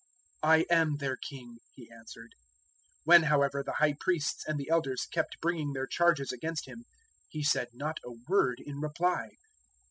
"I am their King," He answered. 027:012 When however the High Priests and the Elders kept bringing their charges against Him, He said not a word in reply.